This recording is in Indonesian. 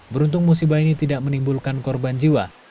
beruntung musibah ini tidak menimbulkan korban jiwa